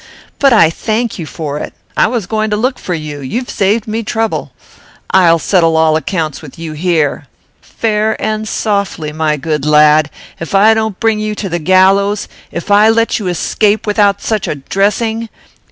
But I thank you for it. I was going to look for you; you've saved me trouble. I'll settle all accounts with you here. Fair and softly, my good lad! If I don't bring you to the gallows If I let you escape without such a dressing!